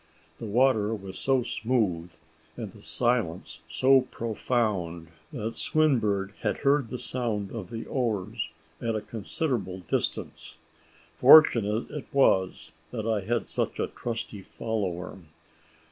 The water was so smooth, and the silence so profound, that Swinburne had heard the sound of the oars at a considerable distance. Fortunate it was, that I had such a trusty follower.